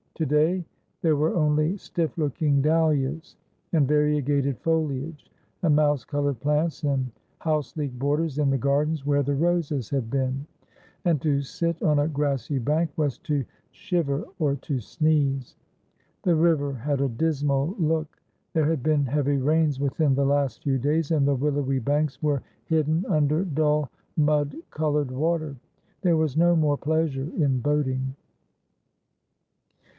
To day there were only stiff looking dahlias, and variegated foliage, and mouse coloured plants, and house leek borders, in the gardens where the roses had been ; and to sit on a grassy bank was to shiver or to sneeze. The river had a dismal look. There had been heavy rains within the last few days, and the willowy banks were hidden under dull mud coloured water. There was no more pleasure in boating.